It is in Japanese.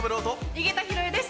井桁弘恵です。